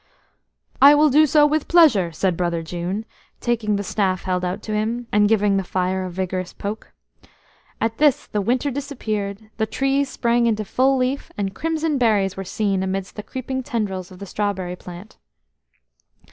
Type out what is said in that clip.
"I will do so with pleasure," said Brother June, taking the staff held out to him, and giving the fire a vigorous poke. At this, the winter disappeared, the trees sprang into full leaf, and crimson berries were seen amidst the creeping tendrils of the strawberry plant.